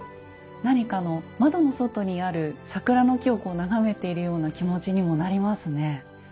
何か窓の外にある桜の木を眺めているような気持ちにもなりますね。